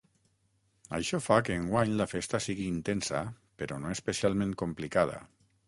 Això fa que enguany la festa sigui intensa però no especialment complicada.